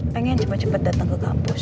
pengen cepet cepet dateng ke kampus